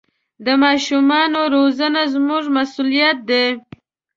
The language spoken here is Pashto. د ماشومانو روزنه زموږ مسوولیت دی.